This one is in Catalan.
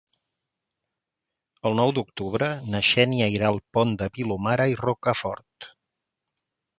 El nou d'octubre na Xènia irà al Pont de Vilomara i Rocafort.